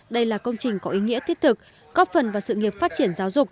đây là công trình có ý nghĩa thiết thực góp phần vào sự nghiệp phát triển giáo dục